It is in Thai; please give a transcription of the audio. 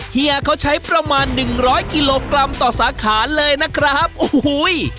เฮียเขาใช้ประมาณหนึ่งร้อยกิโลกรัมต่อสาขาเลยนะครับโอ้โห